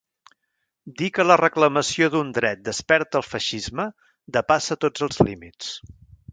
Dir que la reclamació d’un dret desperta el feixisme depassa tots els límits.